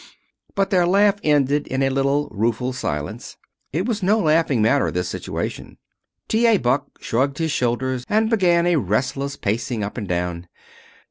But their laugh ended in a little rueful silence. It was no laughing matter, this situation. T. A. Buck shrugged his shoulders, and began a restless pacing up and down.